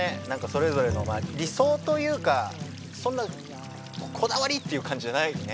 それぞれの理想というかそんなこだわりっていう感じじゃないね。